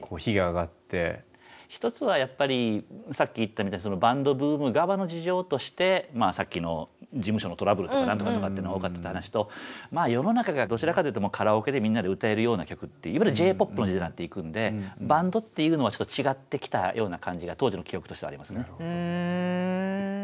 一つはやっぱりさっき言ったみたいにバンドブーム側の事情としてさっきの事務所のトラブルとかなんとかとかっていうのは多かったって話とまあ世の中がどちらかというともうカラオケでみんなで歌えるような曲いわゆるＪ−ＰＯＰの時代になっていくんでバンドっていうのはちょっと違ってきたような感じが当時の記憶としてはありますね。